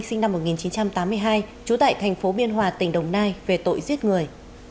sinh năm một nghìn chín trăm tám mươi hai chú tại tp biên hòa tỉnh đồng nai về tội giết người